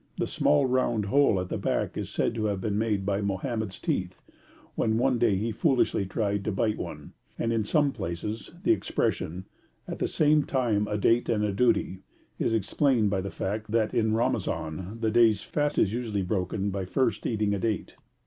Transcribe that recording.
The small round hole at the back is said to have been made by Mohammed's teeth, when one day he foolishly tried to bite one; and in some places the expression 'at the same time a date and a duty,' is explained by the fact that in Ramazan the day's fast is usually broken by first eating a date.